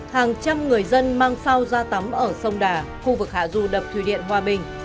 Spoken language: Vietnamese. hàng trăm người dân mang rau ra tắm ở sông đà khu vực hạ du đập thủy điện hòa bình